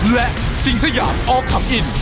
และสิงสยามอขำอิน